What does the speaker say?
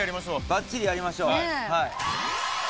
ばっちりやりましょう。